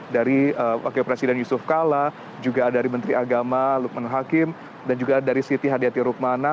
dari wakil presiden yusuf kala juga dari menteri agama lukman hakim dan juga dari siti hadiati rukmana